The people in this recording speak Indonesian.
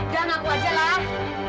jangan aku aja lah